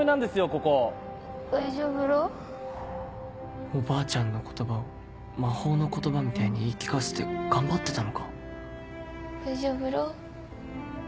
ここばいじょうぶろおばあちゃんの言葉を魔法の言葉みたいに言い聞かせて頑張ってたのかばいじょうぶろ。